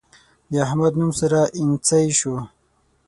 د احمد نوم سره اينڅۍ شو.